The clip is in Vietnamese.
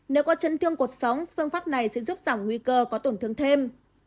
nếu có chấn thương cuộc sống phương pháp này sẽ giúp giảm nguy cơ có tổn thương thêm